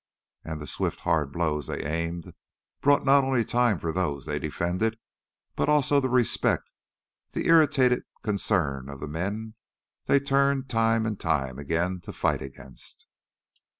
And the swift, hard blows they aimed bought not only time for those they defended, but also the respect, the irritated concern of the men they turned time and time again to fight against.